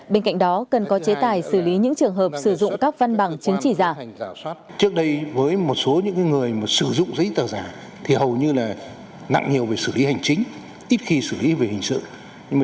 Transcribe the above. bên cạnh đó cần có chế tài xử lý những trường hợp sử dụng các văn bằng chứng chỉ giả